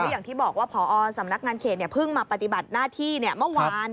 อย่างที่บอกว่าพอสำนักงานเขตเพิ่งมาปฏิบัติหน้าที่เมื่อวาน